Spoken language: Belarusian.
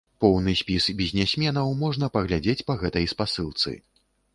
Поўны спіс бізнесменаў можна паглядзець па гэтай спасылцы.